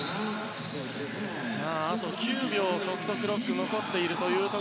あと９秒ショットクロックが残っている。